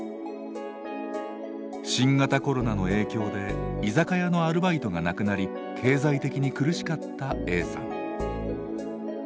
新型コロナの影響で居酒屋のアルバイトがなくなり経済的に苦しかったＡさん。